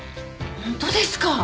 ホントですか？